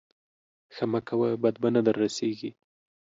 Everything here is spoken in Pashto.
ښه مه کوه بد به نه در رسېږي.